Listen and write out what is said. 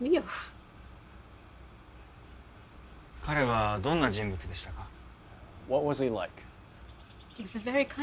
彼はどんな人物でしたか？